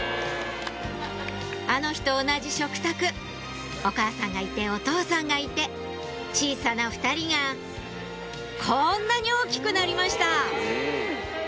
あの日と同じ食卓お母さんがいてお父さんがいて小さな２人がこんなに大きくなりました